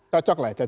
cocok lah ya